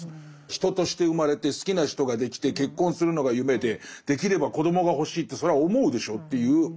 人として生まれて好きな人ができて結婚するのが夢でできれば子どもが欲しいってそれは思うでしょっていう。